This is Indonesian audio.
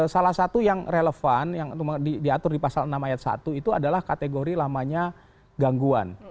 salah satu yang relevan yang diatur di pasal enam ayat satu itu adalah kategori lamanya gangguan